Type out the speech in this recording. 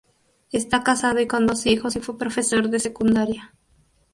Está casado y con dos hijos y fue profesor de secundaria.